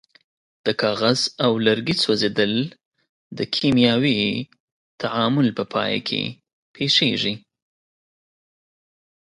د کاغذ او لرګي سوځیدل د کیمیاوي تعامل په پایله کې پیښیږي.